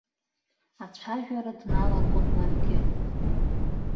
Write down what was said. Ацәажәара дналагон ларгьы.